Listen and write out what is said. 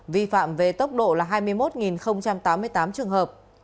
vi phạm về tốc độ là hai mươi một tám mươi tám trường hợp